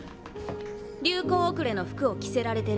流行後れの服を着せられてる。